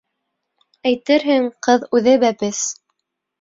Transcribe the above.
Әйтерһең, ҡыҙ үҙе бәпес.